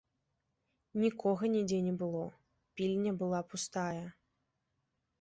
Нікога нідзе не было, пільня была пустая.